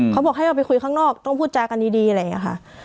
เขาบอกให้เราไปคุยข้างนอกต้องพูดจากันดีอะไรอย่างนี้ค่ะ